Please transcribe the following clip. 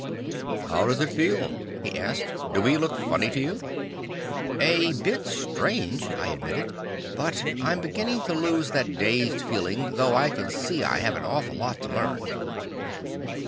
"How does it feel?" he asked. "Do we look funny to you?" "A bit strange," I admitted. "But I'm beginning to lose that dazed feeling, though I can see I have an awful lot to learn."